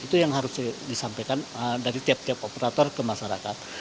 itu yang harus disampaikan dari tiap tiap operator ke masyarakat